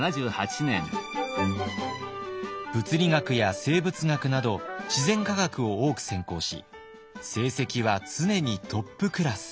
物理学や生物学など自然科学を多く専攻し成績は常にトップクラス。